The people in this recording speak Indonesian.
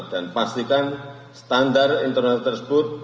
dan pastikan standar internasional tersebut